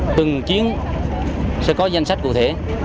từng chiến sẽ có danh sách cụ thể